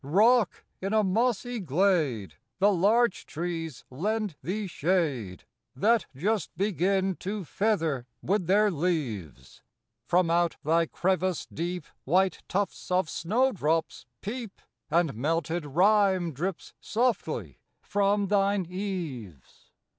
Rock, in a mossy glade, The larch trees lend thee shade, • That just begin to feather with their leaves : From out thy crevice deep White tufts of snowdrops peep, And melted rime drips softly from thine eaves.